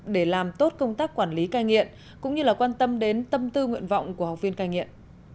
để làm tốt công tác quản lý cai nghiện cũng như là quan tâm đến tâm tư nguyện vọng của học viên cai nghiện